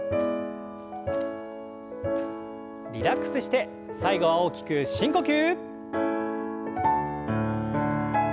リラックスして最後は大きく深呼吸。